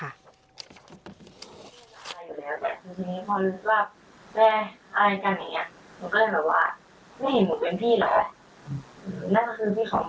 เราจะรอละไง